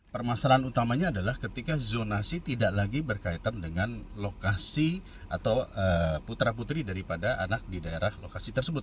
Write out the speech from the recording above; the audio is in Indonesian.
permasalahan utamanya adalah ketika zonasi tidak lagi berkaitan dengan lokasi atau putra putri daripada anak di daerah lokasi tersebut